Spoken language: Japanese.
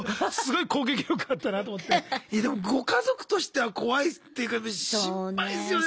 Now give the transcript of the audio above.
いやでもご家族としては怖いっていうか心配ですよね